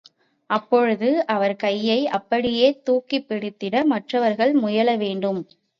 அப்பொழுது, அவர் கையை அப்படியே தூக்கிப் பிடித்திட மற்றவர்கள் முயல வேண்டும்.